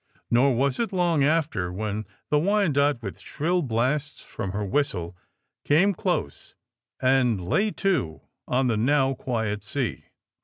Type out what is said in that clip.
Nor was it long after when the ^^Wyanoke," with shrill blasts from her whistle, came close and lay to on the now quiet sea.